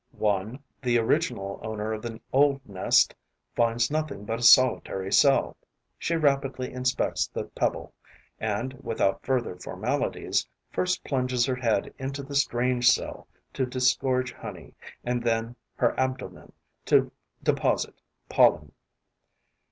One, the original owner of the old nest, finds nothing but a solitary cell. She rapidly inspects the pebble and, without further formalities, first plunges her head into the strange cell, to disgorge honey, and then her abdomen, to deposit pollen.